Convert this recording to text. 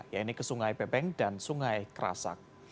yaitu ke sungai bebeng dan sungai kerasak